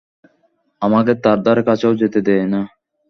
আমাকে তার ধারে-কাছেও যেতে দেয় না।